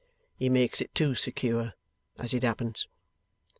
He makes it too secure, as it happens.